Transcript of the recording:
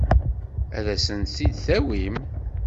Ad asen-t-id-tawim?